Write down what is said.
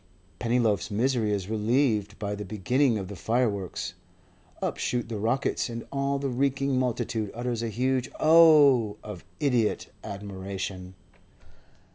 Pennyloaf's misery is relieved by the beginning of the fireworks. Up shoot the rockets, and all the reeking multitude utters a huge 'Oh' of idiot admiration.